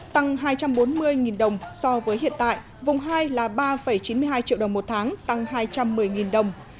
tăng hai trăm bốn mươi đồng so với hiện tại vùng hai là ba chín mươi hai triệu đồng một tháng tăng hai trăm một mươi đồng